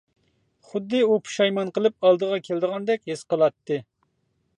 خۇددى ئۇ پۇشايمان قىلىپ ئالدىغا كېلىدىغاندەك ھېس قىلاتتى.